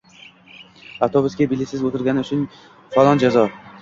avtobusga biletsiz o‘tirgani uchun falon jazo